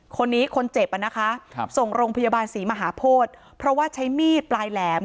คนนี้คนเจ็บอ่ะนะคะครับส่งโรงพยาบาลศรีมหาโพธิเพราะว่าใช้มีดปลายแหลม